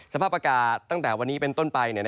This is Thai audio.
สภาพอากาศตั้งแต่วันนี้เป็นต้นไป